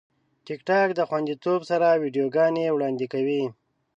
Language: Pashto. ټیکټاک د خوندیتوب سره ویډیوګانې وړاندې کوي.